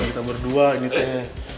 kita berdua ini teh